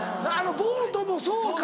ボートもそうか。